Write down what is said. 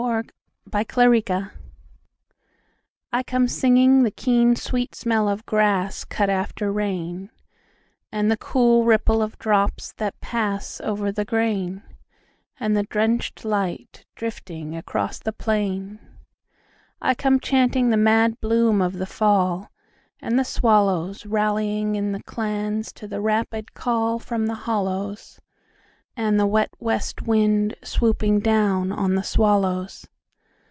I Come Singing I COME singing the keen sweet smell of grassCut after rain, And the cool ripple of drops that passOver the grain, And the drenched light drifting across the plain.I come chanting the mad bloom of the fall. And the swallowsRallying in clans to the rapid callFrom the hollows, And the wet west wind swooping down on the swallows.